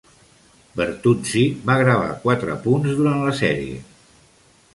Bertuzzi va gravar quatre punts durant la sèrie.